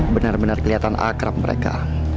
benar benar kelihatan akrab mereka